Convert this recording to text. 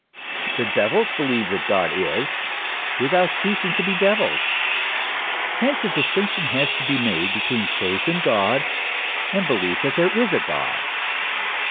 * The devils be lieve that God is, without ceasing to be devils. Hence a dis tinction has been made between faith in God, and belief that there is a God.